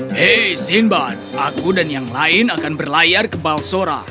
hei sinbad aku dan yang lain akan berlayar ke balsora